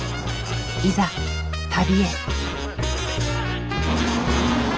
いざ旅へ。